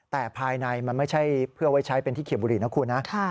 แต่ภายในมันไม่ใช่เพื่อไว้ใช้เป็นที่เก็บบุหรี่นะคุณนะ